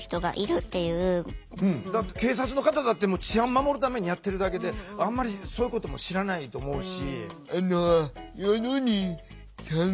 警察の方だって治安守るためにやってるだけであんまりそういうことも知らないと思うし。